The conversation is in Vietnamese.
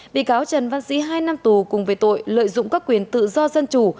bị cáo trần văn sĩ hai năm tù cùng về tội lợi dụng các quyền tự do dân chủ